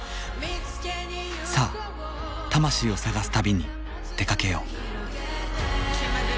さあ魂を探す旅に出かけよう。